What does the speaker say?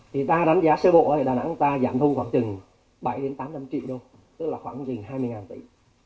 thì ta đánh giá sơ bộ ở đà nẵng ta giảm thu khoảng trừng bảy tám trăm linh triệu đô tức là khoảng một trăm hai mươi tỷ